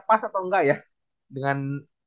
pas atau enggak ya dengan